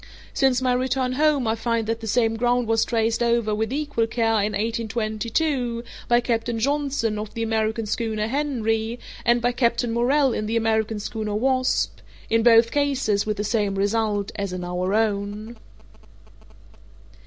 Since my return home I find that the same ground was traced over, with equal care, in 1822, by Captain Johnson, of the American schooner Henry, and by Captain Morrell in the American schooner Wasp—in both cases with the same result as in our own.